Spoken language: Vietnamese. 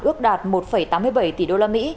ước đạt một tám mươi bảy tỷ usd